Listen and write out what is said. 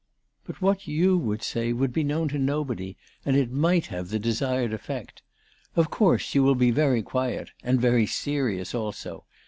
But what you would say would be known to nobody ; and it might have the desired effect. Of course you will be very quiet, and very serious also.